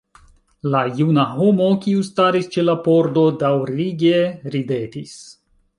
La juna homo, kiu staris ĉe la pordo, daŭrige ridetis.